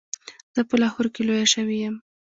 زه په لاهور کې لویه شوې یم.